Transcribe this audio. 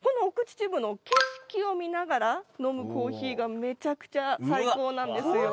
秩父の景色を見ながら飲むコーヒーがめちゃくちゃ最高なんですよ。